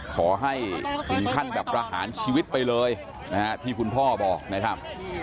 ขอให้ถึงขั้นแบบประหารชีวิตไปเลยนะฮะที่คุณพ่อบอกนะครับ